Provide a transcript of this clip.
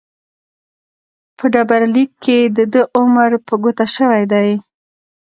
په ډبرلیک کې دده عمر په ګوته شوی دی.